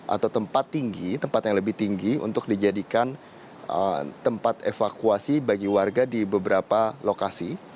atau tempat tinggi tempat yang lebih tinggi untuk dijadikan tempat evakuasi bagi warga di beberapa lokasi